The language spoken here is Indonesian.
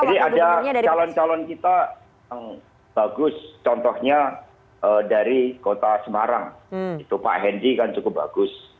jadi ada calon calon kita yang bagus contohnya dari kota semarang pak hendi kan cukup bagus